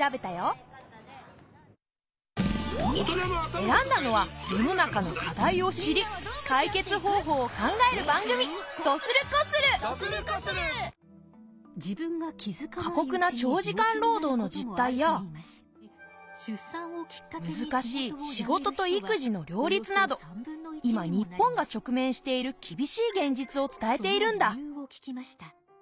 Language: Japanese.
選んだのは世の中の課題を知り解決方法を考える番組かこくな長時間労働の実態やむずかしい仕事と育児の両立など今日本が直面しているきびしい現実を伝えているんだ。